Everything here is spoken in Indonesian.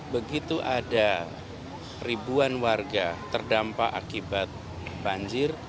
begitu ada ribuan warga terdampak akibat banjir